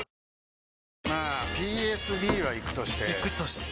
まあＰＳＢはイクとしてイクとして？